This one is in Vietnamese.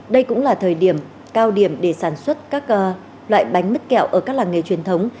đây cũng là thời điểm cao điểm để sản xuất các loại bánh mứt kẹo ở các làng nghề truyền thống